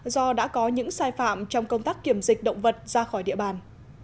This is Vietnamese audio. do đã có những sai phạm trong công tác kiểm dịch động vật ra khỏi địa bàn